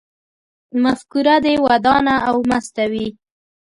مفکوره دې ودانه او مسته وي